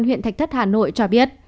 huyện thạch thất hà nội cho biết